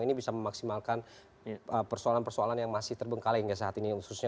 ini bisa memaksimalkan persoalan persoalan yang masih terbengkalai hingga saat ini khususnya